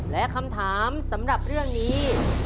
และคำถามสำหรับเรื่องนี้